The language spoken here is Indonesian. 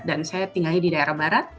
dan saya tinggalnya di daerah